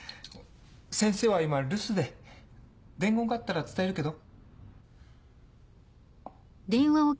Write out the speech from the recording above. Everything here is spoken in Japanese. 先生は今留守で伝言があったら伝えるけど。